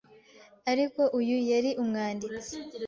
Ariko uyu, Yari umwanditsi